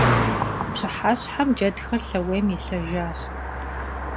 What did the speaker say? Пщыхьэщхьэм джэдхэр лъэуейм елъэжащ.